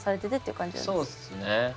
そうっすね。